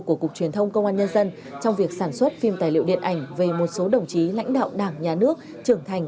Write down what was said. của cục truyền thông công an nhân dân trong việc sản xuất phim tài liệu điện ảnh về một số đồng chí lãnh đạo đảng nhà nước trưởng thành